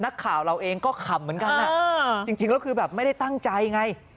นักข่าวเราเองก็ขำเหมือนกันจริงแล้วคือแบบไม่ได้ตั้งใจไง